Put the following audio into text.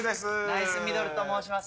ナイスミドルと申します。